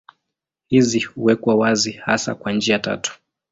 Hizi huwekwa wazi hasa kwa njia tatu.